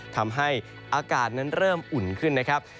ทำให้อากาศนั้นเริ่มอุ่นขึ้นนะครับ